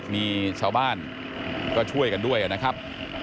มีชาวบ้านก็ช่วยกันด้วยนะครับ